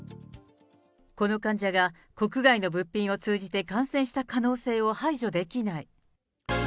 この患者が、国外の物品を通じて感染した可能性を排除できない。